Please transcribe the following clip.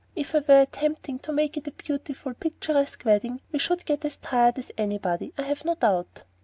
If I were attempting to make it a beautiful, picturesque wedding, we should get as tired as anybody, I have no doubt."